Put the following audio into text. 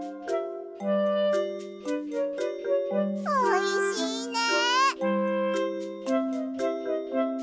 おいしいね！